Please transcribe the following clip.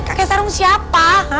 kt sarung siapa